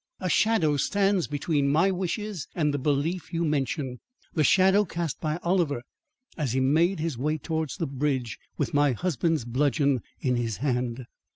A shadow stands between my wishes and the belief you mention. The shadow cast by Oliver as he made his way towards the bridge, with my husband's bludgeon in his hand."